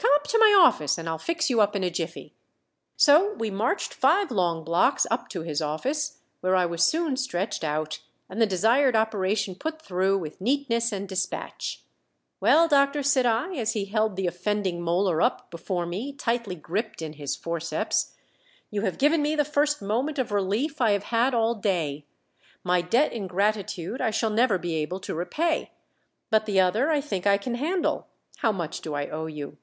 Come up to my office, and I'll fix you up in a jiffy." So we marched five long blocks up to his office, where I was soon stretched out, and the desired operation put through with neatness and despatch. "Well, doctor," said I as he held the offending molar up before me tightly gripped in his forceps, "you have given me the first moment of relief I have had all day. My debt in gratitude I shall never be able to repay, but the other I think I can handle. How much do I owe you?"